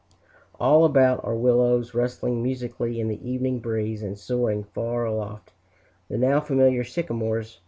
All about are willows, rustling musically in the evening breeze, and, soaring far aloft, the now familiar sycamores.